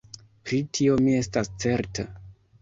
Pri tio mi estas certa.